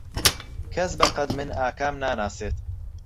کەس بەقەد من ئاکام ناناسێت.